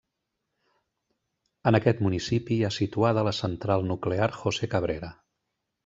En aquest municipi hi ha situada la Central Nuclear José Cabrera.